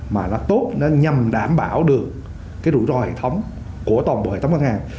mà tốt nhằm đảm bảo được rủi ro hệ thống của toàn bộ hệ thống ngân hàng